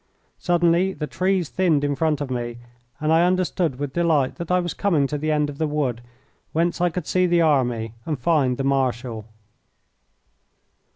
Suddenly the trees thinned in front of me, and I understood with delight that I was coming to the end of the wood, whence I could see the army and find the Marshal.